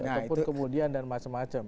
ataupun kemudian dan macam macam